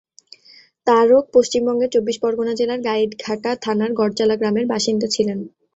তারক পশ্চিমবঙ্গের চব্বিশ পরগনা জেলার গাইডঘাটা থানার গরজালা গ্রামের বাসিন্দা ছিলেন।